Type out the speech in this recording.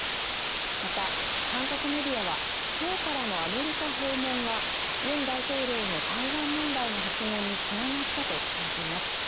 また、韓国メディアは今日からのアメリカ訪問は尹大統領の台湾問題の発言につながったと伝えています。